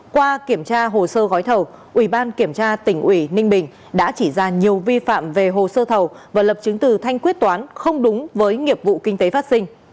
qua kiểm tra hồ sơ gói thầu ubktnb đã chỉ ra nhiều vi phạm về hồ sơ thầu và lập chứng từ thanh quyết toán không đúng với nghiệp vụ kinh tế phát sinh